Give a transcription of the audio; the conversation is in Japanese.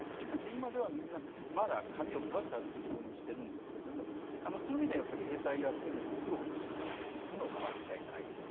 今ではみんなまだ紙を配って歩いて動員してるんですけどもそういう意味では兵隊を集めるのに苦労しているのは間違いないです。